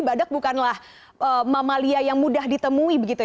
badak bukanlah mamalia yang mudah ditemui